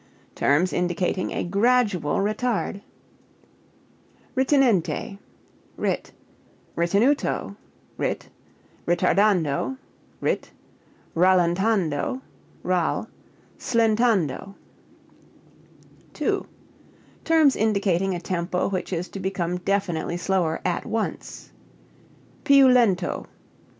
Terms indicating a gradual retard. Ritenente, (rit.), ritenuto (rit.), ritardando (rit.), rallentando (rall.), slentando. 2. Terms indicating a tempo which is to become definitely slower at once. Più lento (lit.